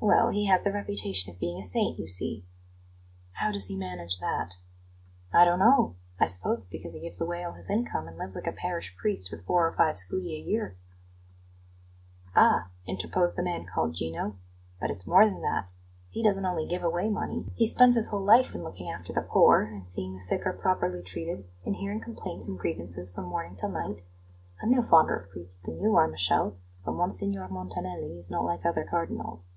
"Well, he has the reputation of being a saint, you see." "How does he manage that?" "I don't know. I suppose it's because he gives away all his income, and lives like a parish priest with four or five hundred scudi a year." "Ah!" interposed the man called Gino; "but it's more than that. He doesn't only give away money; he spends his whole life in looking after the poor, and seeing the sick are properly treated, and hearing complaints and grievances from morning till night. I'm no fonder of priests than you are, Michele, but Monsignor Montanelli is not like other Cardinals."